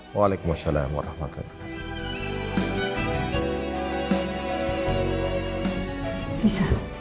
waalaikumsalam warahmatullahi wabarakatuh